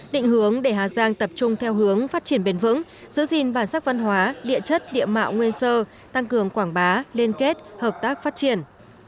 định hướng để hà giang tập trung theo hướng phát triển bền vững giữ gìn bản sắc văn hóa địa chất địa mạo nguyên sơ tăng cường quảng bá liên kết hợp tác phát triển